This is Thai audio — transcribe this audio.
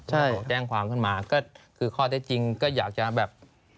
ใช่แจ้งความขึ้นมาก็คือข้อได้จริงก็อยากจะแบบ